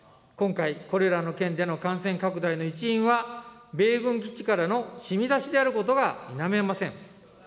今回、これらの県での感染拡大の一因は、米軍基地からのしみだしであることが否めません。